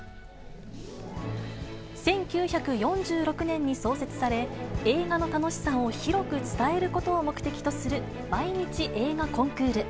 １９４６年に創設され、映画の楽しさを広く伝えることを目的とする、毎日映画コンクール。